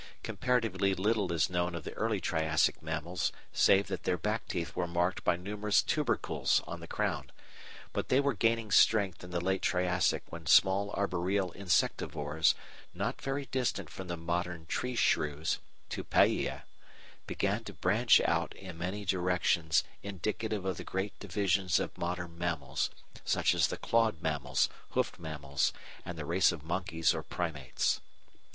Comparatively little is known of the early Triassic mammals save that their back teeth were marked by numerous tubercles on the crown, but they were gaining strength in the late Triassic when small arboreal insectivores, not very distant from the modern tree shrews (Tupaia), began to branch out in many directions indicative of the great divisions of modern mammals, such as the clawed mammals, hoofed mammals, and the race of monkeys or Primates.